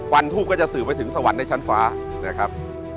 ทูปก็จะสื่อไปถึงสวรรค์ในชั้นฟ้านะครับ